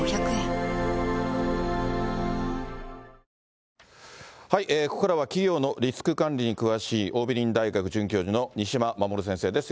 ニトリここからは、企業のリスク管理に詳しい桜美林大学准教授の西山守先生です。